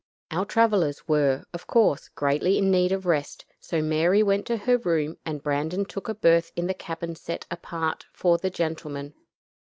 Our travelers were, of course, greatly in need of rest; so Mary went to her room, and Brandon took a berth in the cabin set apart for the gentlemen.